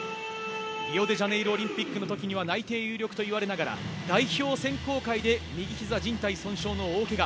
リオデジャネイロオリンピックの時には内定有力といわれながら代表選考会で右ひざじん帯損傷の大怪我。